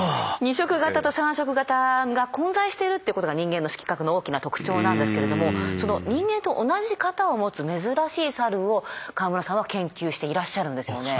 ２色型と３色型が混在してるっていうことが人間の色覚の大きな特徴なんですけれどもその人間と同じ型を持つ珍しいサルを河村さんは研究していらっしゃるんですよね。